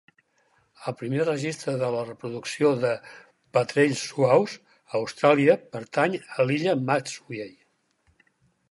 El primer registre de la reproducció de petrells suaus a Austràlia pertany a l'illa Maatsuyker.